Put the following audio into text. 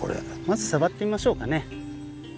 まず触ってみましょうかね。